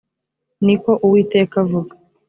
ni ko uwiteka avuga